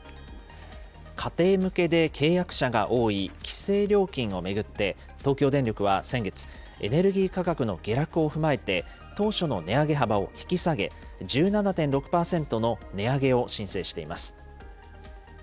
家庭向けで契約者が多い規制料金を巡って、東京電力は先月、エネルギー価格の下落を踏まえて、当初の値上げ幅を引き下げ、１７．６％の値上げを申請しています。